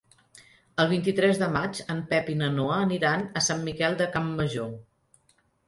El vint-i-tres de maig en Pep i na Noa aniran a Sant Miquel de Campmajor.